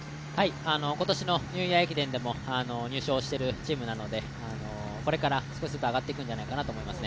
今年のニューイヤー駅伝でも入賞しているチームなのでこれから少しずつ上がっていくんではないかと思いますね。